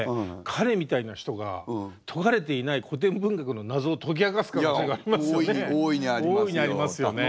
彼みたいな人が解かれていない古典文学の謎を解き明かす可能性がありますよね。